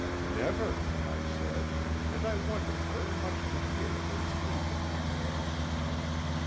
"'Never,' I said, and I wondered very much to hear her speak in that way.